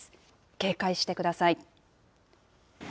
警戒してください。